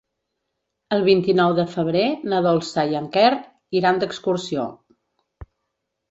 El vint-i-nou de febrer na Dolça i en Quer iran d'excursió.